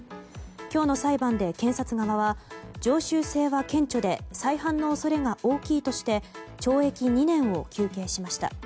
今日の裁判で検察側は常習性は顕著で再犯の恐れが大きいとして懲役２年を求刑しました。